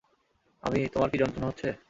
আমি-- - তোমার কি যন্ত্রণা হচ্ছে?